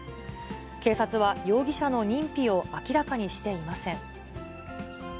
警察は容疑者の認否を明らかにしていません。